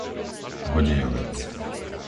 Hodejovec